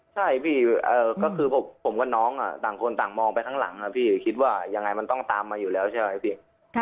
ใช่พี่ก็คือผมกับน้องต่างคนต่างมองไปข้างหลังพี่คิดว่ายังไงมันต้องตามมาอยู่แล้วใช่ไหมพี่